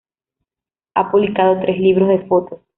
Ha publicado tres libros de fotos.